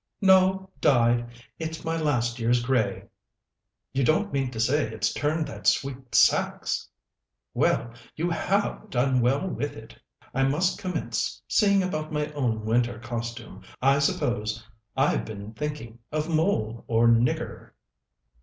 "No, dyed. It's my last year's grey." "You don't mean to say it's turned that sweet saxe? Well, you have done well with it! I must commence seeing about my own winter costume, I suppose. I'd been thinking of mole or nigger."